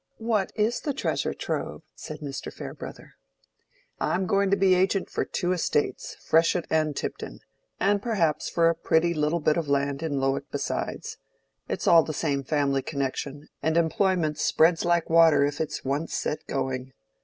"What is the treasure trove?" said Mr. Farebrother. "I'm going to be agent for two estates, Freshitt and Tipton; and perhaps for a pretty little bit of land in Lowick besides: it's all the same family connection, and employment spreads like water if it's once set going.